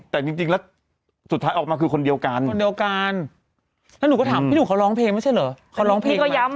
แสดงว่าคนเดียวกันใช่ไหมที่คิดประมาณนี้